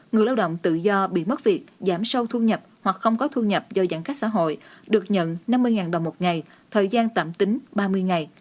người lao động tự do bị mất việc giảm sâu thu nhập hoặc không có thu nhập do giãn cách xã hội được nhận năm mươi đồng một ngày thời gian tạm tính ba mươi ngày